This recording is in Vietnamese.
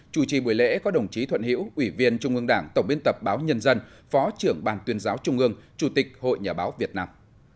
chủ trì buổi lễ có đồng chí thuận hiễu ủy viên trung ương đảng tổng biên tập báo nhân dân phó trưởng ban tuyên giáo trung ương chủ tịch hội nhà báo việt nam